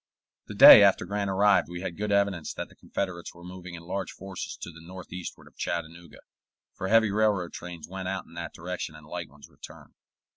The day after Grant arrived we had good evidence that the Confederates were moving in large force to the northeastward of Chattanooga, for heavy railroad trains went out in that direction and light ones returned.